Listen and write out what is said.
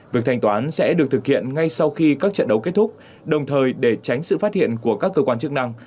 việc thanh toán sẽ được thực hiện ngay sau khi các trận đấu kết thúc đồng thời để tránh sự phát hiện của các cơ quan chức năng